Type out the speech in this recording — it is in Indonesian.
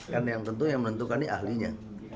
kan yang tentu yang menentukan ini ahlinya